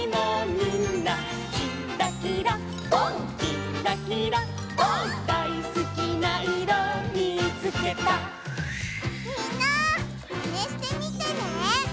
みんなマネしてみてね！